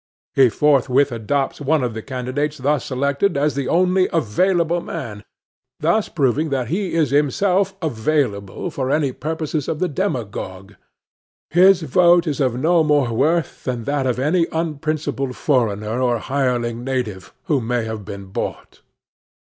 He forthwith adopts one of the candidates thus selected as the only available one, thus proving that he is himself available for any purposes of the demagogue. His vote is of no more worth than that of any unprincipled foreigner or hireling native, who may have been bought.